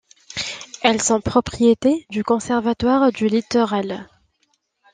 Elles sont propriétés du conservatoire du littoral.